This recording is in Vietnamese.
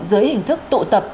dưới hình thức tụ tập